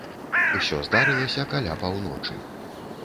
Усё здарылася каля паўночы.